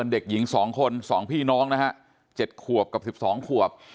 เด็กหญิง๒คน๒พี่น้องนะฮะ๗ขวบกับ๑๒ขวบ